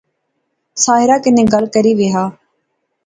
ساحرہ کنے گل کرے وہا